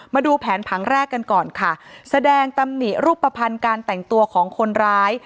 มาดูแผนผังแรกกันก่อนค่ะแสดงตำหนิรูปภัณฑ์การแต่งตัวของคนร้าย